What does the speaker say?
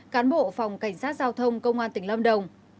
cán bộ phòng cảnh sát giao thông công an tỉnh lâm đồng